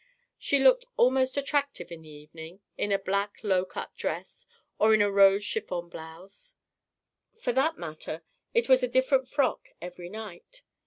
She looked most attractive in the evening, in a black low cut dress, or in a rose chiffon blouse. For that matter, it was a different frock every night.